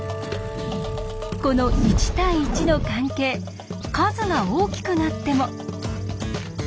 この１対１の関係数が大きくなっても。